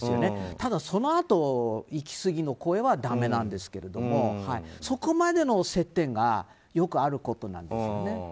ただ、そのあと行き過ぎの行為はダメなんですがそこまでの接点がよくあることなんです。